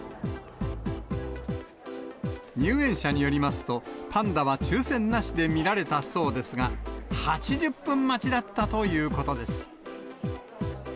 入園者によりますと、パンダは抽せんなしで見られたそうですが、８０分待ちだったということです。